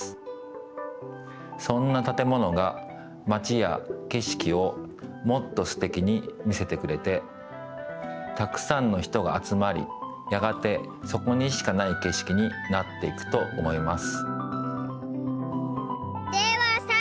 そんなたてものが町やけしきをもっとすてきに見せてくれてたくさんの人があつまりやがてそこにしかないけしきになっていくと思います。